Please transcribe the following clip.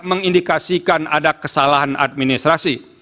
mengindikasikan ada kesalahan administrasi